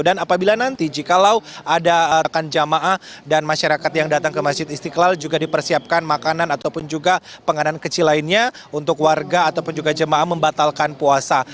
dan apabila nanti jika ada rekan jamaah dan masyarakat yang datang ke masjid istiqlal juga dipersiapkan makanan ataupun juga penganan kecil lainnya untuk warga ataupun juga jamaah membatalkan puasa